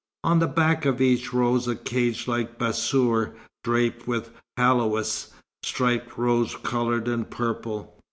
On the back of each rose a cage like bassour, draped with haoulis, striped rose colour and purple.